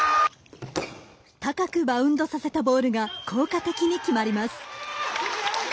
高くバウンドさせたボールが効果的に決まります。